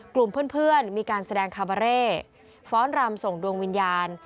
กลุ่มเพื่อนมีการแสดงคาบาเร่ฟ้อนรำส่งดวงวิญญาณ